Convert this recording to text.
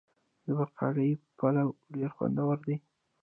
د باقلي پلو ډیر خوندور وي.